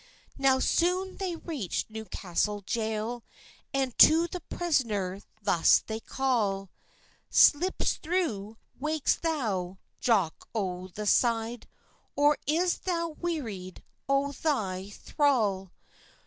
Now soon they reached Newcastle jail, And to the prisner thus they call: "Sleips thou, wakes thou, Jock o the Side, Or is thou wearied o thy thrall?"